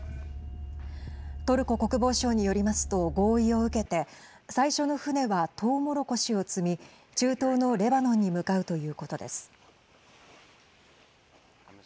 トルコ国防省によりますと合意を受けて最初の船は、トウモロコシを積み中東のレバノンに向かうということです。